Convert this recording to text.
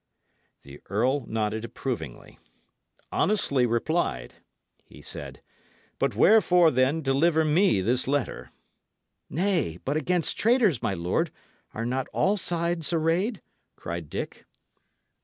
The earl nodded approvingly. "Honestly replied," he said. "But wherefore, then, deliver me this letter?" "Nay, but against traitors, my lord, are not all sides arrayed?" cried Dick.